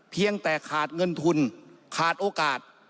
เพียงแต่ขาดเงินทุนขาดโอกาส